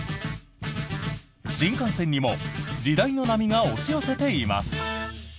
新幹線にも時代の波が押し寄せています。